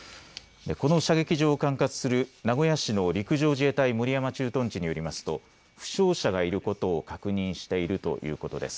この射撃場を管轄する名古屋市の陸上自衛隊守山駐屯地によりますと負傷者がいることを確認しているということです。